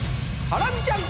ハラミちゃん！